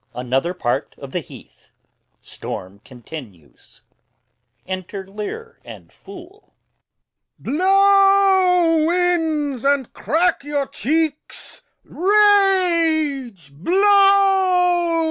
Another part of the heath. Storm still. Enter Lear and Fool. Lear. Blow, winds, and crack your cheeks! rage! blow!